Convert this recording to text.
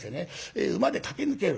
え馬で駆け抜ける。